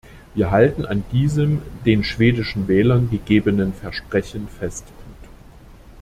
Wir halten an diesem den schwedischen Wählern gegebenen Versprechen fest.